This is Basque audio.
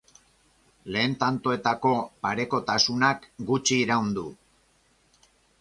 Lehen tantoetako parekotasunak gutxi iraun du.